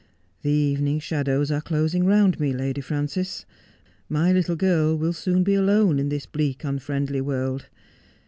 The evening shadows are closing round me, Lady Frances. My little girl will soon be alone in this bleak, unfriendly world.